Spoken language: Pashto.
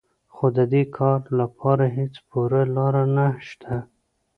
خو د دې کار لپاره هېڅ پوره لاره نهشته